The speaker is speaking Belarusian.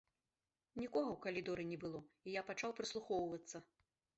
Нікога ў калідоры не было, і я пачаў прыслухоўвацца.